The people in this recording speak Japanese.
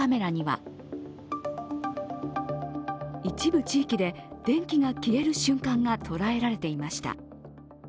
一部地域で電気が消える瞬間が捉えられていました。